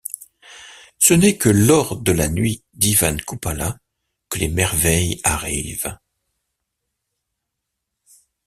Ce n'est que lors de la nuit d'Ivan Koupala que les merveilles arrivent.